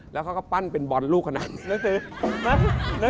แล้วเขาก็ปั้นเป็นบอลลูกขนาดหนังสือ